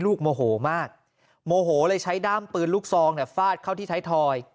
โมโหมากโมโหเลยใช้ด้ามปืนลูกซองฟาดเข้าที่ไทยทอย